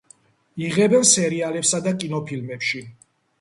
იღებენ სერიალებსა და კინოფილმებში.